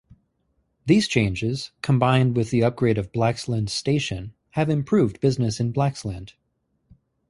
These changes, combined with the upgrade of Blaxland Station, have improved business in Blaxland.